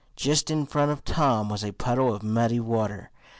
Just in front of Tom was a puddle of muddy water.